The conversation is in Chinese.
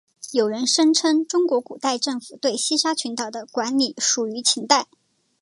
有人声称中国古代政府对西沙群岛的管理始于秦代。